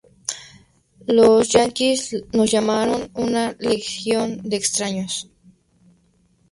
Los yanquis nos llamaron una Legión de Extraños.